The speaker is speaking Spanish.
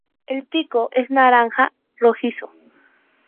El pico es naranja rojizo.